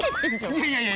いやいやいや。